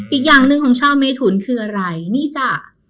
อีกอย่างหนึ่งของชาวเมถุนคืออะไรนี่จ้ะ